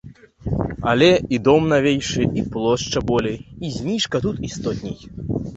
Але і дом навейшы, і плошча болей, і зніжка тут істотней.